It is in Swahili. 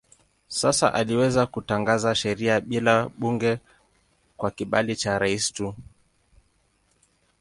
Sasa aliweza kutangaza sheria bila bunge kwa kibali cha rais tu.